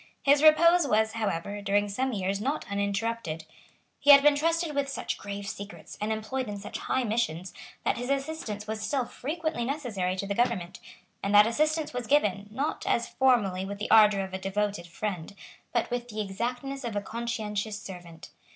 His repose was, however, during some years not uninterrupted. He had been trusted with such grave secrets, and employed in such high missions, that his assistance was still frequently necessary to the government; and that assistance was given, not, as formerly, with the ardour of a devoted friend, but with the exactness of a conscientious servant.